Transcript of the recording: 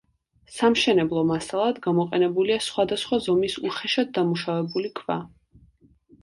სამშენებლო მასალად გამოყენებულია სხვადასხვა ზომის უხეშად დამუშავებული ქვა.